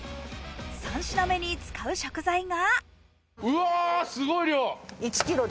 ３品目に使う食材が。